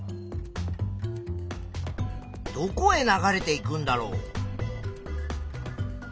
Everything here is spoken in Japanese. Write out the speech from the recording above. どこへ流れていくんだろう？